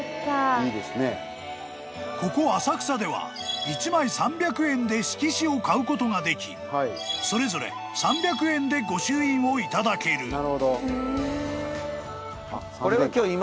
［ここ浅草では１枚３００円で色紙を買うことができそれぞれ３００円で御朱印を頂ける］